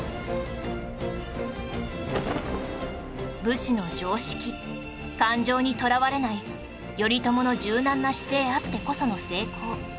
武士の常識感情にとらわれない頼朝の柔軟な姿勢あってこその成功